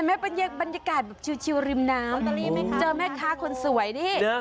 เห็นไหมบรรยากาศชิวริมน้ำเจอแม่ค้าคนสวยนี่